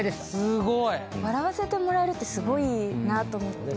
笑わせてもらえるってすごいなと思って。